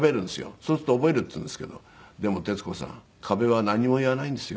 そうすると覚えるって言うんですけどでも徹子さん壁は何も言わないんですよ。